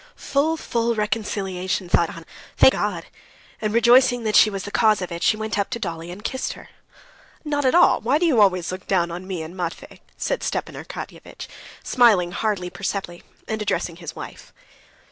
"Full, full reconciliation, full," thought Anna; "thank God!" and rejoicing that she was the cause of it, she went up to Dolly and kissed her. "Not at all. Why do you always look down on me and Matvey?" said Stepan Arkadyevitch, smiling hardly perceptibly, and addressing his wife.